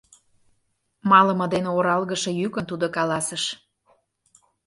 — малыме дене оралгыше йӱкын тудо каласыш.